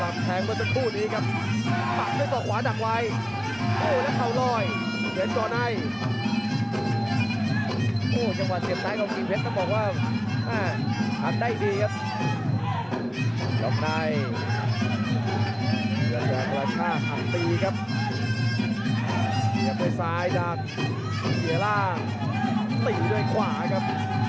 วางในซ้ายหน้าซ้ายหน้าอีกทีเกี่ยวได้ไม่ลงครับโอ้โหไม่ลงครับ